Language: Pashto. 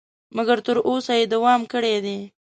مګر تر اوسه یې دوام کړی دی.